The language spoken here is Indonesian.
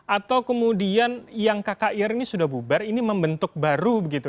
atau kemudian yang kkir ini sudah bubar ini membentuk baru begitu